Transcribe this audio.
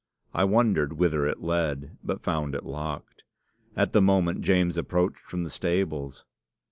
I wondered whither it led, but found it locked. At the moment James approached from the stables.